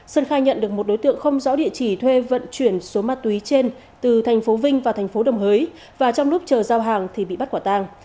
sơn khai nhận được một đối tượng không rõ địa chỉ thuê vận chuyển số ma túy trên từ tp vinh và tp đồng hới và trong lúc chờ giao hàng thì bị bắt quả tang